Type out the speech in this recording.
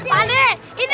pak deh ini dia